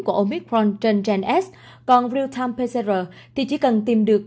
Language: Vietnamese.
của omicron trên gen s còn real time pcr thì chỉ cần tìm được